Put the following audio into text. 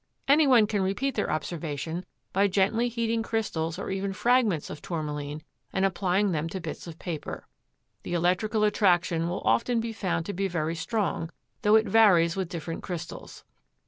Anyone can repeat their observation by gently heating crystals or even fragments of Tourmaline and applying them to bits of paper. The electrical attraction will often be found to be very strong, though it varies with different crystals.